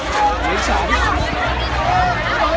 ก็ไม่มีเวลาให้กลับมาเท่าไหร่